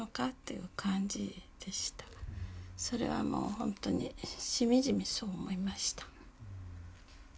それはもう本当にしみじみそう思いました。